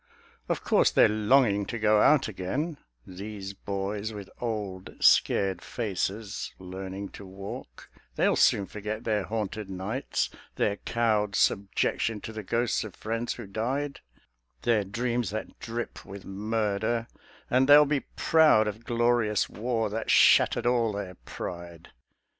Of course they're "longing to go out again," These boys with old, scared faces, learning to walk, They'll soon forget their haunted nights; their cowed Subjection to the ghosts of friends who died, Their dreams that drip with murder; and they'll be proud Of glorious war that shatter'd all their pride